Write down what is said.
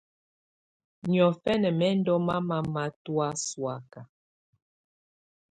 Niɔfɛ̀na mɛ̀ ndù mamɛ̀á matɔ̀́á sɔ̀áka.